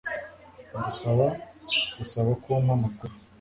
Ndasaba gusaba ko umpa amakuru